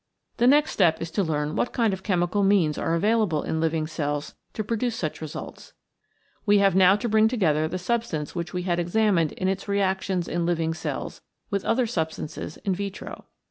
The next step is to learn what kind of chemical 64 REACTIONS IN LIVING MATTER means are available in living cells to produce such results. We have now to bring together the sub stance which we had examined in its reactions in living cells with other substances in vitro.